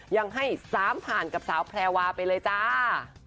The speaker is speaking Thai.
ยังให้๓ผ่านกับสาวแพรวาไปเลยจ้า